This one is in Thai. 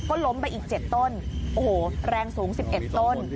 ก็ล้มไปอีก๗ต้นโอ้โหแรงสูง๑๑ต้น